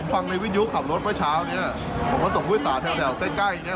ฟังในวิดิโอขับรถไว้เช้านี้ผมก็ส่งวุ้ยสาวแถวเส้นใกล้อย่างเงี้ย